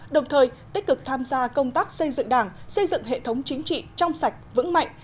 đồng thời tích cực tham gia công tác xây dựng đảng xây dựng hệ thống chính trị trong sạch vững mạnh